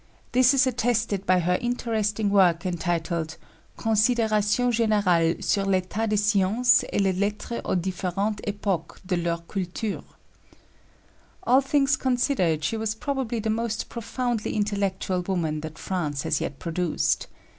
This is attested by her interesting work entitled Considérations Générales sur l'État des Sciences et des Lettres aux Différentes Époques de Leur Culture. All things considered, she was probably the most profoundly intellectual woman that France has yet produced.